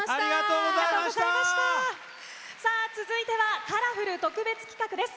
続いてはカラフル特別企画です。